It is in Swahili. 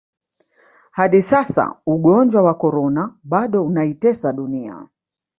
hadi sasa ugonjwa wa Corona bado unaitesa dunia